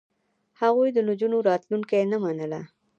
هغوی د نجونو راتلونکې نه منله.